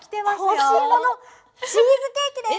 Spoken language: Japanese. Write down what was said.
干しいものチーズケーキです！